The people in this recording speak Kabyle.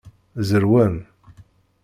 Zerwen.